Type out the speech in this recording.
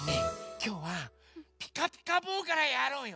きょうは「ピカピカブ！」からやろうよ。